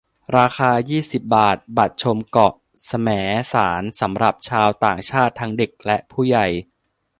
ราคา ยี่สิบ บาท บัตรชมเกาะแสมสารสำหรับชาวต่างชาติทั้งเด็กและผู้ใหญ่